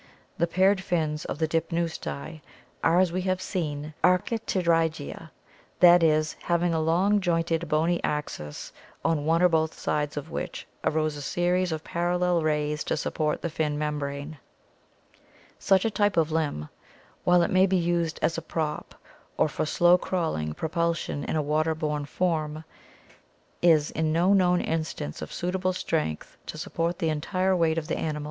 The paired fins of the Dipneusti are, as we have seen, ar chipterygia, that is, having a long, jointed, bony axis, on one or both sides of which arose a series of parallel rays to support the fin membrane. Such a type of limb, while it may be used as a prop or for slow crawling propulsion in a water borne form, is in no known instance of suitable strength to support the entire weight of the animal ....?.., a